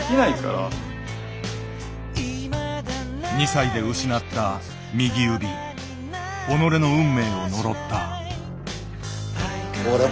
２歳で失った右指己の運命を呪った。